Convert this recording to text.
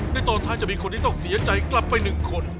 ตอนท้ายจะมีคนที่ต้องเสียใจกลับไป๑คน